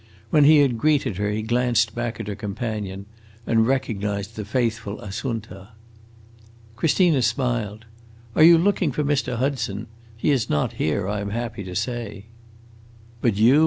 When he had greeted her he glanced back at her companion, and recognized the faithful Assunta. Christina smiled. "Are you looking for Mr. Hudson? He is not here, I am happy to say." "But you?"